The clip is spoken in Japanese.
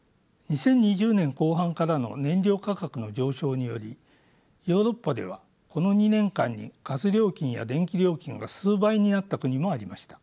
２０２０年後半からの燃料価格の上昇によりヨーロッパではこの２年間にガス料金や電気料金が数倍になった国もありました。